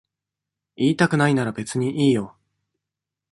言いたくないなら別にいいよ。